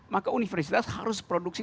maka universitas harus produksi